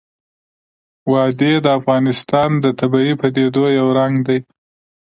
وادي د افغانستان د طبیعي پدیدو یو رنګ دی.